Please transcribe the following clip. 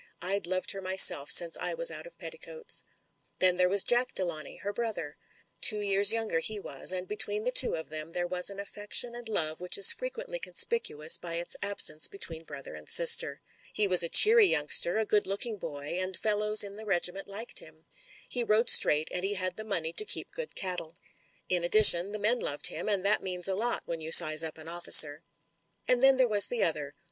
I'd loved her myself since I was out of petti coats. Then there was Jack Delawnay, her brother. Two years younger he was, and between the two of them there was an affection and love which is frequently conspicuous by its absence between brother and sister. He was a cheery youngster, a good looking boy, and fellows in the regiment liked him. He rode straight, and he had the money to keep good cattle. In addi tion, the men loved him, and that means a lot when you size up an officer. And then there was the other.